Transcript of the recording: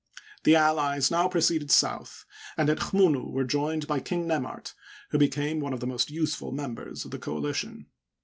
The allies now proceeded south, and at Chmunu were joined by King Nemart, who became one of the most useful members of the coalition.